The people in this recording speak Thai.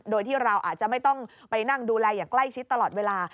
โดยที่เราอาจจะไม่ต้องไปนั่งดูแลอย่างใกล้ชิดตลอดเวลา